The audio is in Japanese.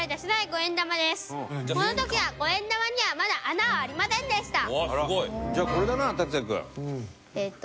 この時は５円玉にはまだ穴はありませんでした。